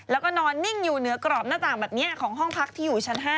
แล้วก็นอนนิ่งอยู่เหนือกรอบหน้าต่างแบบนี้ของห้องพักที่อยู่ชั้น๕